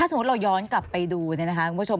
ถ้าสมมุติเราย้อนกลับไปดูนะครับคุณผู้ชม